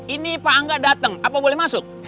ini pak angga datang apa boleh masuk